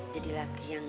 jadi lagi yang